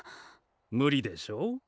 無理でしょう。